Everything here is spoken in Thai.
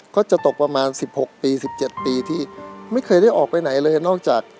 ก็จะตกประมาณ๑๖ปี๑๗ปีที่ไม่เคยได้ออกไปไหนเลยนอกจาก